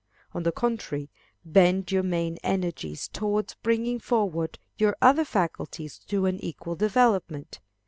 On the contrary, bend your main energies towards bringing forward your other faculties to an equal development.